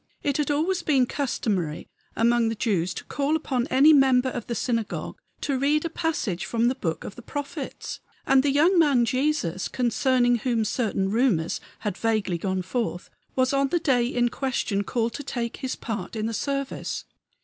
It had always been customary among the Jews to call upon any member of the synagogue to read a passage from the book of the prophets; and the young man Jesus, concerning whom certain rumors had vaguely gone forth, was on the day in question called to take his part in the service.